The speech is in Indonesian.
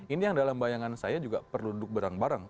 ini yang dalam bayangan saya juga perlu duduk bareng bareng